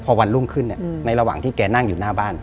พอวันรุ่งขึ้นในระหว่างที่แกนั่งอยู่หน้าบ้าน